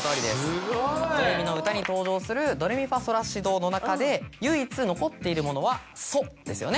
すごい！『ドレミの歌』に登場するドレミファソラシドの中で唯一残っているものはソですよね。